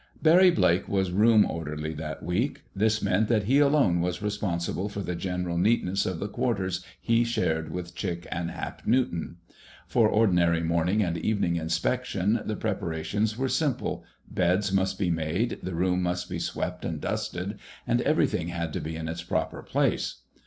Barry Blake was room orderly that week. This meant that he alone was responsible for the general neatness of the quarters he shared with Chick and Hap Newton. For ordinary morning and evening inspection the preparations were simple. Beds must be made, the room must be swept and dusted, and everything had to be in its proper place.